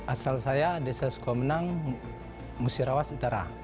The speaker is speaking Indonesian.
asal saya desa sukomenang musirawas utara